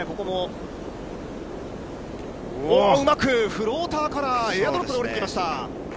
うまくフローターからエアドロップで降りてきました。